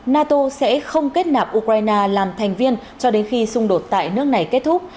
nato sẽ không kết nạp ukraine làm thành viên cho đến khi xung đột tại nước này kết thúc